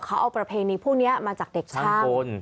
เขาเอาประเพณีพวกนี้มาจากเด็กชายคน